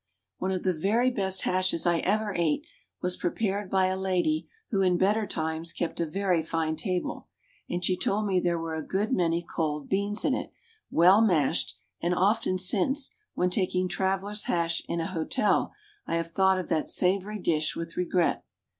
One of the very best hashes I ever ate was prepared by a lady who, in better times, kept a very fine table. And she told me there were a good many cold beans in it, well mashed; and often since, when taking "travelers' hash" in an hotel, I have thought of that savory dish with regret.